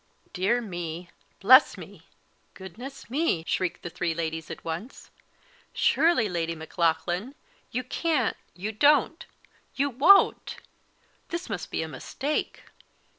"Dear me! Bless me! Goodness me!" shrieked the three ladies at once. "Surely, Lady Maclaughlan, you can't you don't you won't; this must be a mistake."